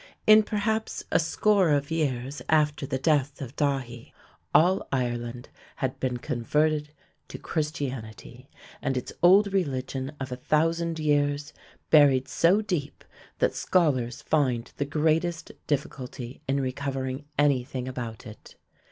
In perhaps a score of years after the death of Dathi, all Ireland had been converted to Christianity, and its old religion of a thousand years buried so deep that scholars find the greatest difficulty in recovering anything about it.